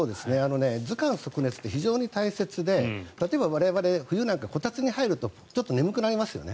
頭寒足熱って非常に大切で例えば、我々冬はこたつに入るとちょっと眠くなりますよね。